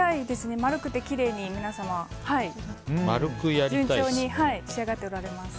丸くてきれいに皆様順調に仕上がっておられます。